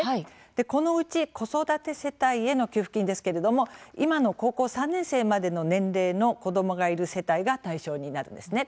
このうち子育て世帯への給付金ですけれども今の高校３年生までの年齢の子どもがいる世帯が対象になるんですね。